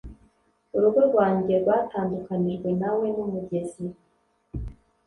Urugo rwanjye rwatandukanijwe na we n'umugezi.